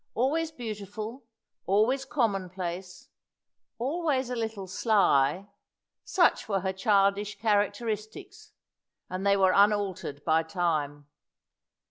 Always beautiful, always common place, always a little sly such were her childish characteristics, and they were unaltered by time.